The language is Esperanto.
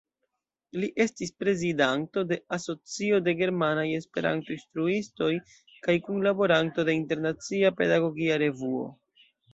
Li estis prezidanto de Asocio de Germanaj Esperanto-Instruistoj kaj kunlaboranto de "Internacia Pedagogia Revuo.